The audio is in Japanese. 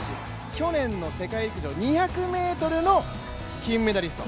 去年の世界陸上２００ｍの金メダリスト。